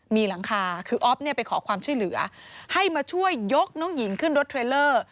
มีหลังคาคืออ๊อฟเนี่ยไปขอความช่วยเหลือให้มาช่วยยกน้องหญิงขึ้นรถเทรลเลอร์